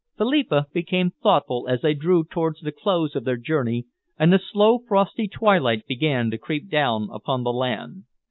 Philippa became thoughtful as they drew towards the close of their journey and the slow, frosty twilight began to creep down upon the land.